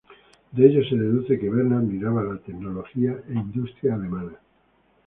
De ello se deduce que Verne admiraba la tecnología e industria alemana.